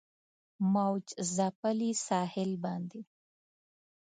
موج ځپلي ساحل باندې